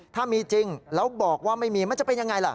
ถ้ามีจริงแล้วบอกว่าไม่มีมันจะเป็นยังไงล่ะ